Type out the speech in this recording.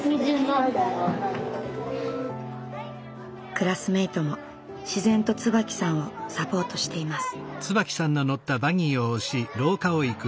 クラスメートも自然と椿さんをサポートしています。